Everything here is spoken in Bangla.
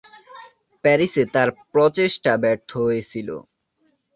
প্যারিসে তার প্রচেষ্টা ব্যর্থ হয়েছিল।